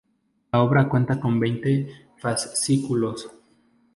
La obra cuenta con veinte fascículos.